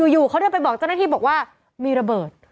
อยู่เขาเดินไปบอกเจ้าหน้าที่บอกว่ามีระเบิด